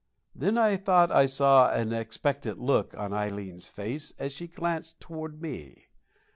Then I thought I saw an expectant look on Ileen's face as she glanced toward me.